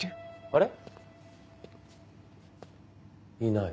あれ？